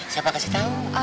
siapa kasih tau